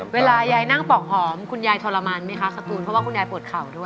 เวลายายนั่งปอกหอมคุณยายทรมานไหมคะสตูนเพราะว่าคุณยายปวดเข่าด้วย